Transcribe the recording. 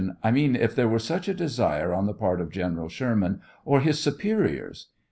I mean if there were such a desire on the part of General Sherman or his superiors f A.